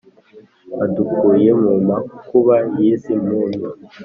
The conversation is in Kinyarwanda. adukuye mu makuba y’izi mpunyu